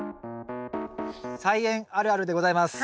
「菜園あるある」でございます。